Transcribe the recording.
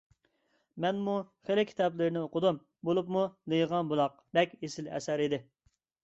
مەنمۇ خېلى كىتابلىرىنى ئوقۇدۇم، بولۇپمۇ «لېيىغان بۇلاق» بەك ئېسىل ئەسەر ئىدى.